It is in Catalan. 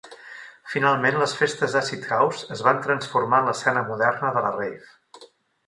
Finalment, les festes acid house es van transformar en l'escena moderna de la rave.